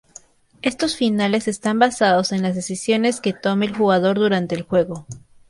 Estos finales están basados en las decisiones que tome el jugador durante el juego.